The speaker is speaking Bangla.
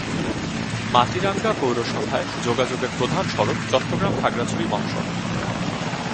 মাটিরাঙ্গা পৌরসভায় যোগাযোগের প্রধান সড়ক চট্টগ্রাম-খাগড়াছড়ি মহাসড়ক।